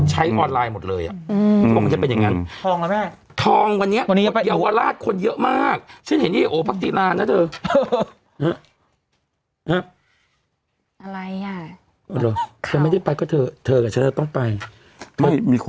ใช้ออนไลน์หมดเลยอ่ะ